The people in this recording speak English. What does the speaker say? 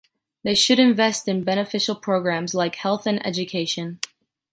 They should invest in beneficial programs like health and education.